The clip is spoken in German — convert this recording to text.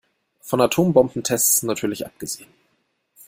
Von Atombombentests natürlich abgesehen.